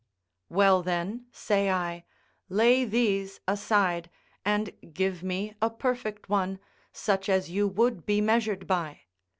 Well, then, say I, lay these aside, and give me a perfect one, such as you would be measured by.